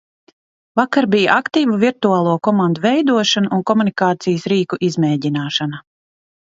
Vakar bija aktīva virtuālo komandu veidošana un komunikācijas rīku izmēģināšana.